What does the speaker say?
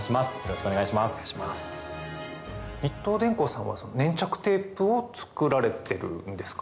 日東電工さんは粘着テープを作られてるんですか？